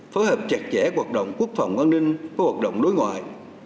phối hợp chặt chẽ hoạt động quốc phòng an ninh với hoạt động đối ngoại